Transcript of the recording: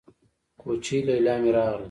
کوچۍ ليلا مې راغله.